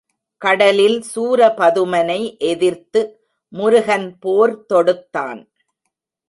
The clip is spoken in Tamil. கடலில் சூரபதுமனை எதிர்த்து முருகன் போர் தொடுத்தான்.